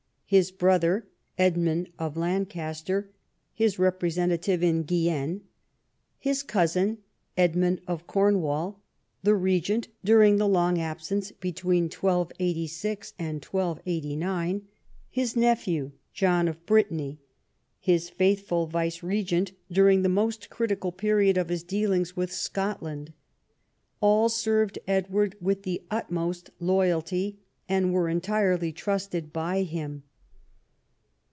His brother Edmund of Lancaster, his representative in Guienne ; his cousin Edmund of Cornwall, the regent during his long absence between 1286 and 1289 ; his nephew John of Brittany, his faithful vicegerent during the most critical period of his dealings with Scotland, all served Edward with the utmost loyalty, and were entirely trusted by him.